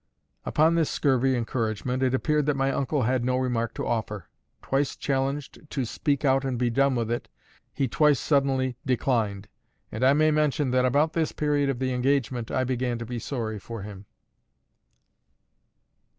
Upon this scurvy encouragement, it appeared that my uncle had no remark to offer: twice challenged to "speak out and be done with it," he twice sullenly declined; and I may mention that about this period of the engagement, I began to be sorry for him.